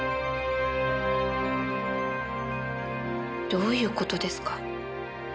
どういう事ですか？